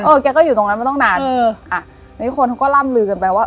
แกก็อยู่ตรงนั้นมาตั้งนานเอออ่ะนี่คนเขาก็ล่ำลือกันไปว่า